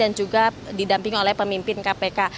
dan juga didampingi oleh pemimpin kpk